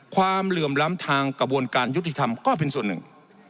เหลื่อมล้ำทางกระบวนการยุติธรรมก็เป็นส่วนหนึ่ง